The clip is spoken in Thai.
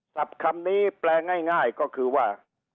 คำนี้แปลง่ายก็คือว่า